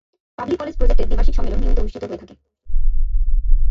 Public knowledge প্রজেক্টের দ্বিবার্ষিক সম্মেলন নিয়মিত অনুষ্ঠিত হয়ে থাকে।